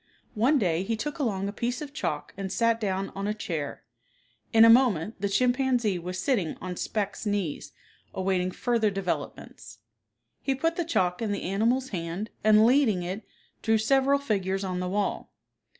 One day he took along a piece of chalk and sat down on a chair. In a moment the chimpanzee was sitting on Specht's knees awaiting further developments. He put the chalk in the animal's hand, and leading it, drew several figures on the wall.